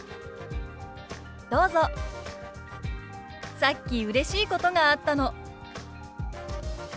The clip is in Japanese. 「さっきうれしいことがあったの」。